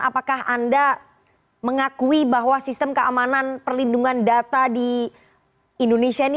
apakah anda mengakui bahwa sistem keamanan perlindungan data di indonesia ini